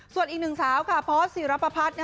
ส่วนอีกหนึ่งสาวค่ะพอสศิรปพัฒน์